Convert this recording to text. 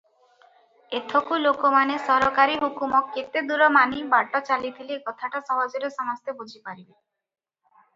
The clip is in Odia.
ଏଥକୁ ଲୋକମାନେ ସରକାରୀ ହୁକୁମ କେତେଦୂର ମାନି ବାଟ ଚାଲିଥିଲେ କଥାଟା ସହଜରେ ସମସ୍ତେ ବୁଝିପାରିବେ ।